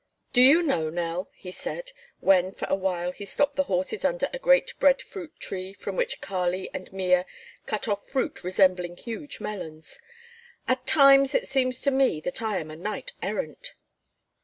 "Do you know, Nell," he said, when for a while he stopped the horses under a great bread fruit tree from which Kali and Mea cut off fruit resembling huge melons, "at times it seems to me that I am a knight errant."